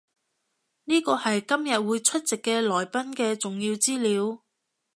呢個係今日會出席嘅來賓嘅重要資料